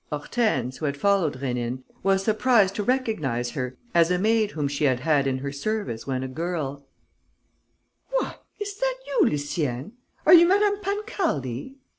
Hortense, who had followed Rénine, was surprised to recognize her as a maid whom she had had in her service when a girl: "What! Is that you, Lucienne? Are you Madame Pancaldi?"